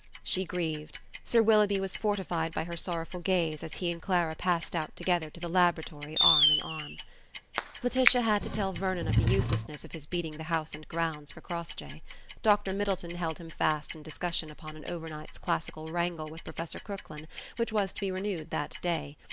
She grieved. Sir Willoughby was fortified by her sorrowful gaze as he and Clara passed out together to the laboratory arm in arm. Laetitia had to tell Vernon of the uselessness of his beating the house and grounds for Crossjay. Dr. Middleton held him fast in discussion upon an overnight's classical wrangle with Professor Crooklyn, which was to be renewed that day.